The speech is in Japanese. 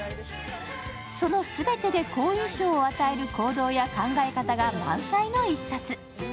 その全てで好印象を与える行動や考え方が満載の一冊。